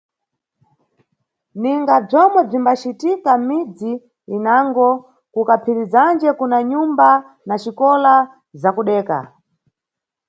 Ninga bzomwe bzimbacitika mʼmidzi inango, kuKaphirizanje kuna nyumba na xikola za kudeka.